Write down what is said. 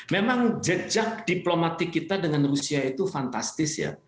memang jejak diplomatik kita dengan rusia itu fantastis ya